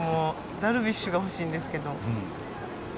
ダルビッシュが欲しいんですけど。